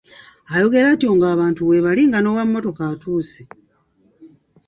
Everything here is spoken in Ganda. Ayogera atyo nga abantu weebali, nga n'ow'emmotoka atuuse.